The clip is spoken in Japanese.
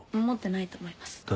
持ってないと思います。